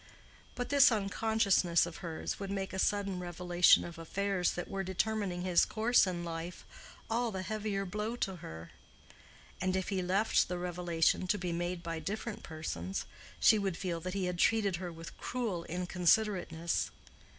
But this unconsciousness of hers would make a sudden revelation of affairs that were determining his course in life all the heavier blow to her; and if he left the revelation to be made by different persons, she would feel that he had treated her with cruel inconsiderateness.